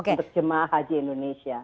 untuk jemaah haji indonesia